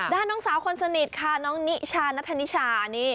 น้องสาวคนสนิทค่ะน้องนิชานัทธนิชานี่